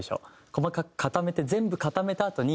細かく固めて全部固めたあとに。